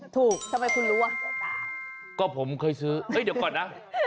ถูกทำไมคุณรู้วะก็ผมเคยซื้อเอ้ยเดี๋ยวก่อนนะ